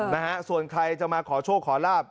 ศักดิ์ใครจะมาขอโชคขอลาบ